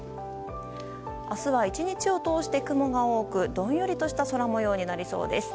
明日は１日を通して雲が多くどんよりとした空模様になりそうです。